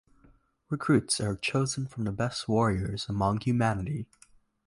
Recruits are chosen from the best warriors among humanity.